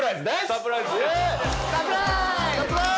サプライズ！